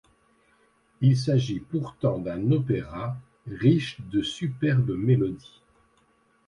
Il s'agit pourtant d'un opéra riche de superbes mélodies.